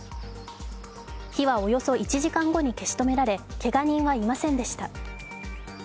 火はおよそ１時間後に消し止められけが人はいませんでした。